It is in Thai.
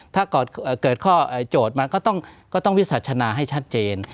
ถ้าเกิดข้อโจทย์มาก็ต้องวิสัชนาให้ชัดเจน